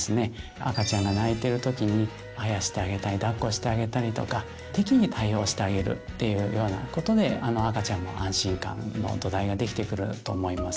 赤ちゃんが泣いてる時にあやしてあげたりだっこしてあげたりとか適宜対応してあげるっていうようなことで赤ちゃんの安心感の土台ができてくると思います。